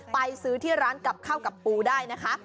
ไปซื้อที่ร้านกับข้าวกับปูได้นะคะ